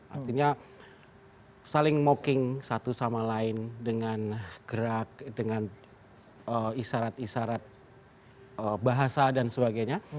artinya saling mocking satu sama lain dengan gerak dengan isyarat isyarat bahasa dan sebagainya